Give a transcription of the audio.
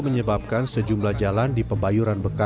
menyebabkan sejumlah jalan di pebayuran